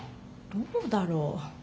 どうだろう。